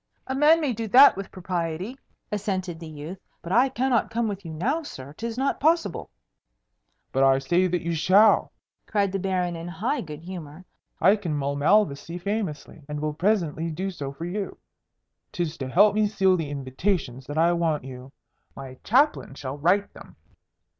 "A man may do that with propriety," assented the youth. "But I cannot come with you now, sir. 'Tis not possible." "But I say that you shall!" cried the Baron in high good humour. "I can mull Malvoisie famously, and will presently do so for you. 'Tis to help me seal the invitations that I want you. My Chaplain shall write them.